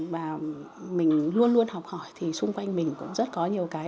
và mình luôn luôn học hỏi thì xung quanh mình cũng rất có nhiều cái